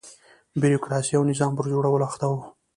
بیروکراسۍ او نظام پر جوړولو اخته و.